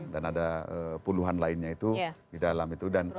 dan ada puluhan lainnya itu di dalam itu